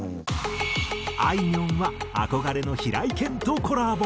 あいみょんは憧れの平井堅とコラボ。